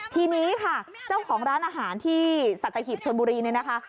ทีนี้ค่ะเจ้าของร้านอาหารที่สัตหีบชนบุรีเนี่ยนะคะ